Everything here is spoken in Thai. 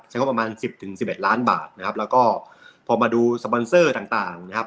งบประมาณสิบถึงสิบเอ็ดล้านบาทนะครับแล้วก็พอมาดูสปอนเซอร์ต่างนะครับ